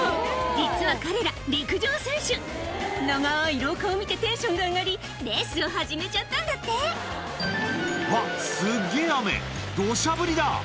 実は彼ら陸上選手長い廊下を見てテンションが上がりレースを始めちゃったんだって「うわすっげぇ雨土砂降りだ！」